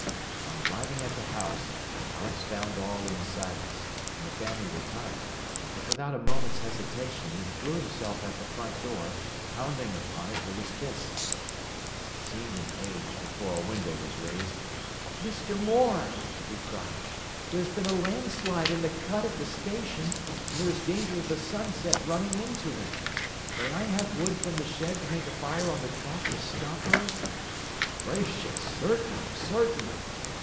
On arriving at the house Alex found all in silence, and the family retired, but without a moment's hesitation he threw himself at the front door, pounding upon it with his fists. It seemed an age before a window was raised. "Mr. Moore," he cried, "there has been a landslide in the cut at the station, and there is danger of the Sunset running into it. May I have wood from the shed to make a fire on the track to stop her?" "Gracious! Certainly, certainly!"